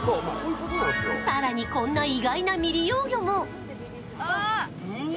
更に、こんな意外な未利用魚も。